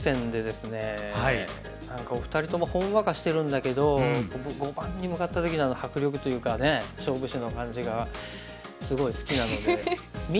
何かお二人ともほんわかしてるんだけど碁盤に向かった時のあの迫力というかね勝負師の感じがすごい好きなので見入ってしまいますよね。